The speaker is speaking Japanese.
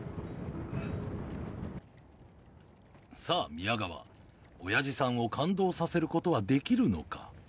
さあ宮川おやじさんを感動させることはできるのか？